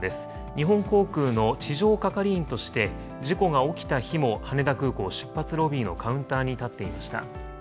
日本航空の地上係員として、事故が起きた日も羽田空港出発ロビーのカウンターに立っていました。